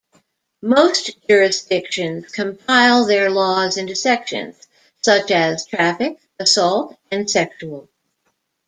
Most jurisdictions compile their laws into sections, such as traffic, assault, and sexual.